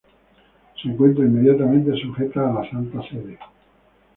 Se encuentra inmediatamente sujeta a la Santa Sede.